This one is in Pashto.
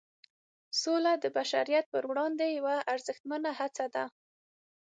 سوله د بشریت پر وړاندې یوه ارزښتمنه هڅه ده.